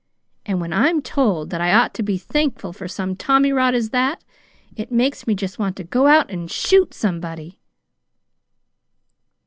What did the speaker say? And when I'm told that I ought to be thankful for some such tommyrot as that, it makes me just want to go out and shoot somebody!'"